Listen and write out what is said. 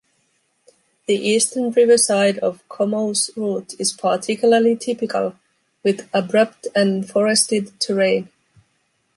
The eastern riverside of Como’s route is particularly typical, with abrupt and forested terrain.